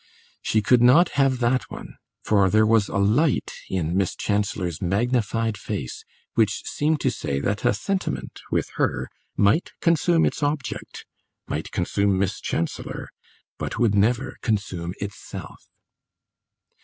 She could not have that one, for there was a light in Miss Chancellor's magnified face which seemed to say that a sentiment, with her, might consume its object, might consume Miss Chancellor, but would never consume itself.